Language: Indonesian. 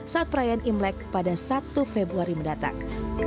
saat perayaan imlek pada satu februari mendatang